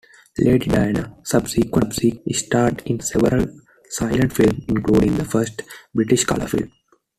Lady Diana subsequently starred in several silent films, including the first British colour films.